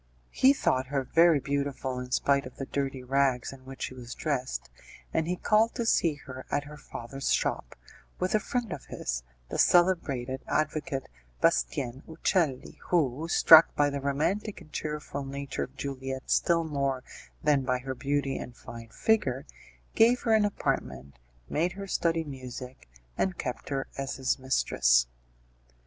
He thought her very beautiful in spite of the dirty rags in which she was dressed, and he called to see her at her father's shop, with a friend of his, the celebrated advocate, Bastien Uccelli, who; struck by the romantic and cheerful nature of Juliette still more than by her beauty and fine figure, gave her an apartment, made her study music, and kept her as his mistress.